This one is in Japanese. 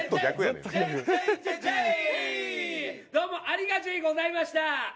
どうもありがＪごさいました。